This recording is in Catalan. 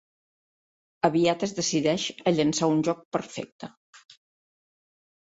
Aviat es decideix a llançar un joc perfecte.